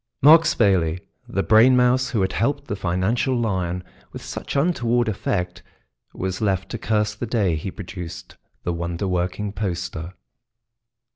Mark Spayley, the brain mouse who had helped the financial lion with such untoward effect, was left to curse the day he produced the wonder working poster.